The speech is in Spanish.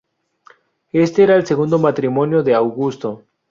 Este era el segundo matrimonio de Augusto.